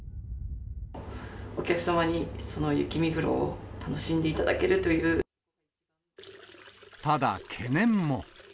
お客様に雪見風呂を楽しんでただ、懸念も。